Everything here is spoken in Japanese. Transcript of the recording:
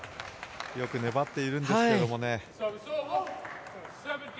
よく粘っているんですけどね。